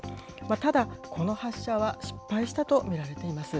ただ、この発射は、失敗したと見られています。